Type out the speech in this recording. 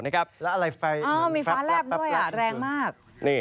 แล้วอะไรไฟมันปรับมีฟ้าลับด้วยครับแรงมาก